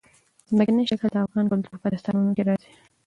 ځمکنی شکل د افغان کلتور په داستانونو کې راځي.